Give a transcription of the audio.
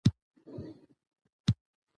احمدشاه بابا به د خپل قوم خیرغوښتونکی و.